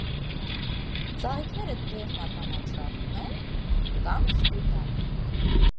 Ծաղիկները դեղնականաչավուն են կամ սպիտակ։